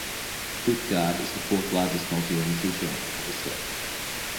Utgard is the fourth largest multi-ring feature on Callisto.